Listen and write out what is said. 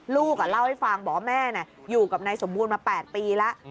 ลูกเล่าให้ฟังบอกว่าแม่อยู่กับนายสมบูรณ์มา๘ปีแล้ว